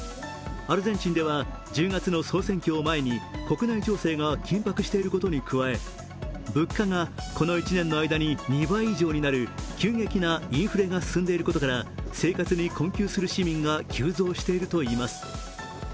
アルゼンチンでは１０月の総選挙を前に国内情勢が緊迫していることに加え、物価がこの１年の間に２倍以上になる急激なインフレが進んでいることから、生活に困窮する市民が急増しているといいます。